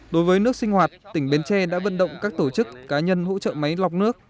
đối với nước sinh hoạt tỉnh bến tre đã vận động các tổ chức cá nhân hỗ trợ máy lọc nước